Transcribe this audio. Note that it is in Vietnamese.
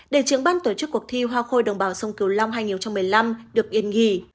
để trưởng ban tổ chức cuộc thi hoa hậu khôi đồng bằng sông kiều long hai nghìn một mươi năm được yên nghỉ